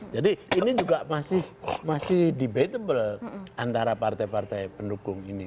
jadi ini juga masih debatable antara partai partai pendukung ini